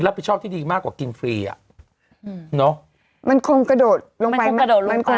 รับผิดชอบที่ดีมากกว่ากินฟรีอ่ะมันคงกระโดดลงไปกระโดดลง